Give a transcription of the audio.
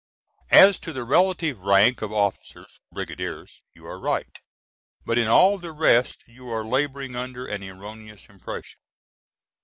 As to the relative rank of officers (brigadiers) you are right but in all the rest you are laboring under an erroneous impression.